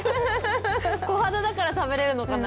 コハダだから食べれるのかな。